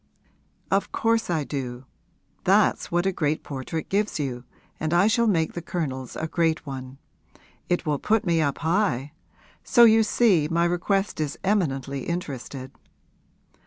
'Of course I do. That's what a great portrait gives you, and I shall make the Colonel's a great one. It will put me up high. So you see my request is eminently interested.'